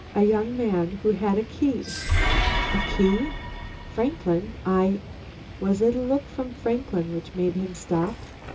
A young man who had a key " "A key? Franklin, I " Was it a look from Franklin which made him stop?